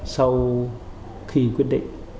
sau khi quyết định